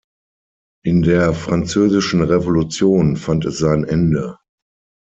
In der Französischen Revolution fand es sein Ende.